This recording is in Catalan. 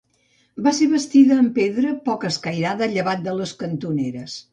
Va ser bastida amb pedra poc escairada, llevat de les cantoneres.